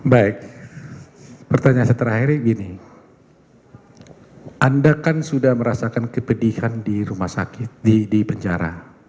baik pertanyaan saya terakhir gini anda kan sudah merasakan kepedihan di rumah sakit di penjara